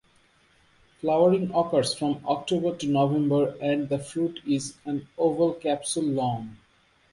Flowering occurs from October to November and the fruit is an oval capsule long.